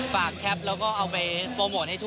แคปแล้วก็เอาไปโปรโมทให้ทุก